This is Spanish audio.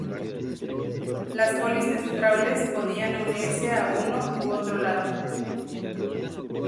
Las polis neutrales podían unirse a uno u otro lado.